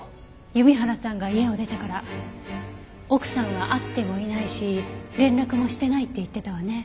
弓原さんが家を出てから奥さんは会ってもいないし連絡もしてないって言ってたわね。